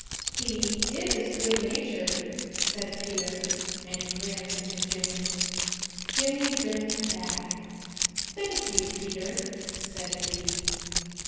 "He is good natured," said Peter, and grinned at Jimmy. Jimmy grinned back. "Thank you, Peter," said he.